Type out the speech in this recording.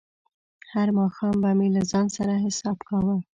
هر ماښام به مې له ځان سره حساب کاوه.